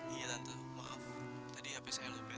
iya tante maaf tadi hape saya lupet